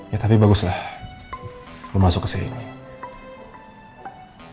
ya tapi baguslah masuk kesini gue betah disini